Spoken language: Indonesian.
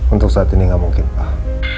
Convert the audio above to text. untuk saat ini gak mungkin pak